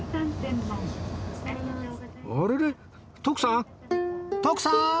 徳さん？